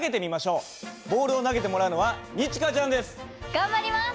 頑張ります！